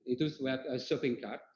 itu ada shopping cart